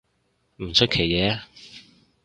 唔出奇嘅